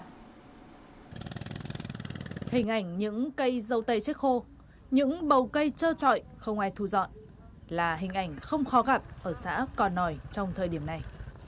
hình ảnh những cây dâu tây chết khô những bầu cây trơ trọi không ai thu dọn là hình ảnh không khó gặp ở xã cò nòi trong thời điểm này